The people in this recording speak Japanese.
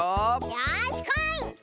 よしこい！